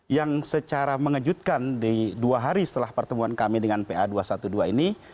yang secara mengejutkan di dua hari setelah pertemuan kami dengan pa dua ratus dua belas ini